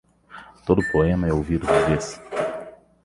Todo poema é ouvido uma vez.